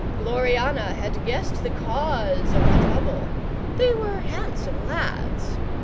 Gloriana had guessed the cause of the trouble. They were handsome lads.